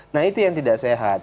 nah itu yang tidak sehat